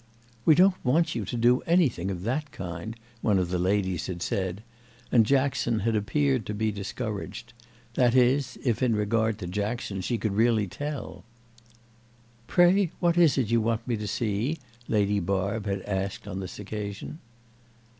"We don't want you to see anything of that kind," one of the ladies had said, and Jackson had appeared to be discouraged—that is if in regard to Jackson she could really tell. "Pray what is it you want me to see?" Lady Barb had asked on this occasion.